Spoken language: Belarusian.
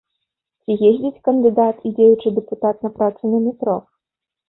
Ці ездзіць кандыдат і дзеючы дэпутат на працу на метро?